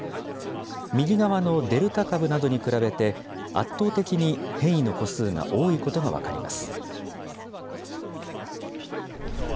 右側のデルタ株などに比べて、圧倒的に変異の個数が多いことが分かります。